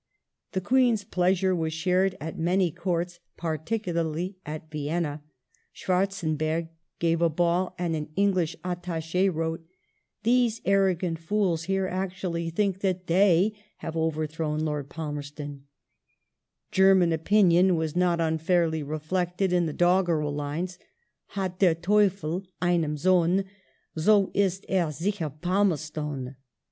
^ The Queen's pleasure was shared at many Courts, particularly at Vienna. Schwarzenberg gave a ball, and an English attache wrote :" these arrogant fools here actually think that they have overthrown Lord Palmerston", German opinion was not unfairly reflected in the doggerel lines :— Hat der Teufel einen Sohn So ist er sicher Palmerston.